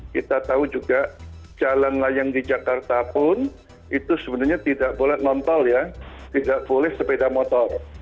kita tahu juga jalan layang di jakarta pun itu sebenarnya tidak boleh nontol ya tidak boleh sepeda motor